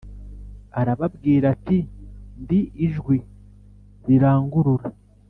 Arababwira ati ndi ijwi rirangurura